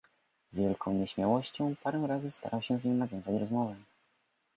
"Z wielką nieśmiałością parę razy starał się z nią zawiązać rozmowę."